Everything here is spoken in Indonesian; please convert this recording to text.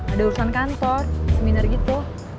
ada urusan kantor seminar gitu